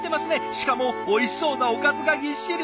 しかもおいしそうなおかずがぎっしり。